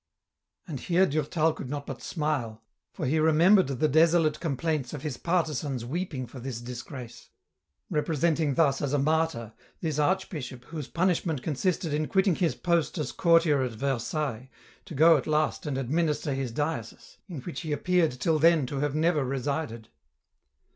And here Durtal could not but smile, for he remembered the desolate complaints of his partisans weeping for this disgrace, representing thus as a martyr this archbishop whose punishment consisted in quitting his post as courtier at Versailles to go at last and administer his diocese, in which he appeared till then to have never resided.